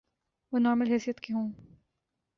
وہ نارمل حیثیت کے ہوں۔